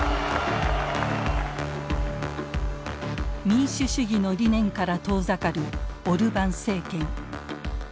民主主義の理念から遠ざかるオルバン政権。